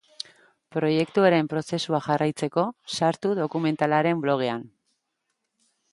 Proiektuaren prozesua jarraitzeko, sartu dokumentalaren blogean.